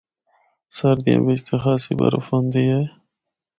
سردیاں بچ تے خاصی برف ہوندی اے۔